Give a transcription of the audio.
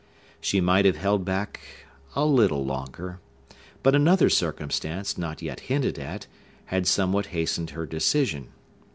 She might have held back a little longer; but another circumstance, not yet hinted at, had somewhat hastened her decision.